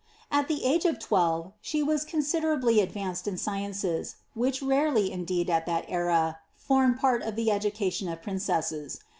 '' At the age of twelve she was considerably advanced in sciences, which rarely, indeed, at that era, formed part of the education of princesses.